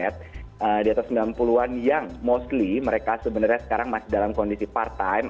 di atas sembilan puluh an yang mostly mereka sebenarnya sekarang masih dalam kondisi part time